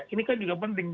ini kan juga penting